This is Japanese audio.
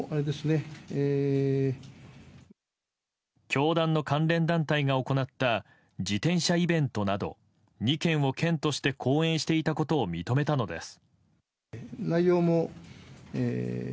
教団の関連団体が行った自転車イベントなど２件を県として後援していたことを認めたのです。